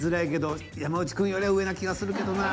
山内くんよりは上な気がするけどな。